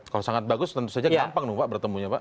kalau sangat bagus tentu saja gampang bertemunya pak